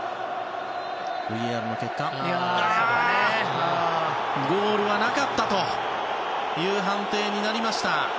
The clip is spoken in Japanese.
ＶＡＲの結果ゴールはなかったという判定になりました。